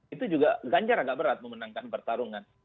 itu juga ganjar agak berat memenangkan pertarungan